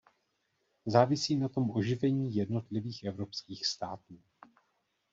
Závisí na tom oživení jednotlivých evropských států.